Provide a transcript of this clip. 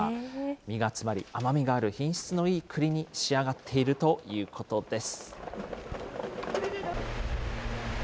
実が詰まり甘みのある品質のいい栗に仕上がっているということです。